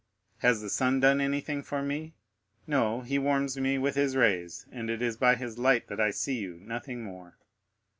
Has the sun done anything for me? No; he warms me with his rays, and it is by his light that I see you—nothing more.